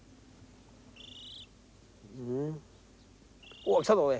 おっ来たぞおい。